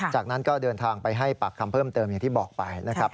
จากนั้นก็เดินทางไปให้ปากคำเพิ่มเติมอย่างที่บอกไปนะครับ